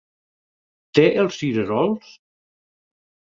Té els cirerols?